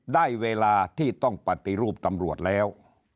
ได้เวลาที่ต้องปฏิรูปตำรวจแล้ว